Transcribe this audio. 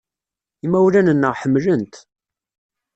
Imawlan-nneɣ ḥemmlen-t.